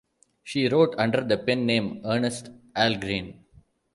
She wrote under the pen name Ernst Ahlgren.